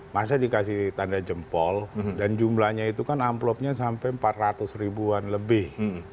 masa dikasih tanda jempol dan jumlahnya itu kan amplopnya sampai empat ratus ribuan lebih